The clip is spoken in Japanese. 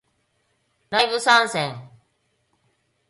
ライブ参戦